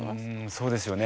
そうですよね。